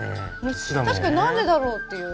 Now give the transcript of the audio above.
確かに何でだろうっていう。